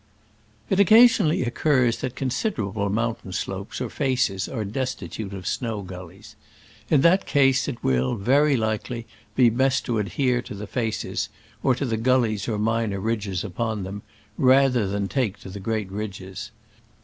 It occasionally occurs that consider able mountain slopes or faces are des titute of snow gullies. In that case it will, very likely, be best to adhere to the faces (or to the guUies or minor ridges upon them), rather than take to the great ridges.